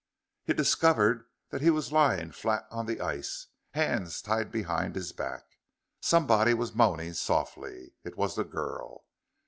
He discovered that he was lying flat on the ice, hands tied behind his back. Somebody was moaning softly. It was the girl.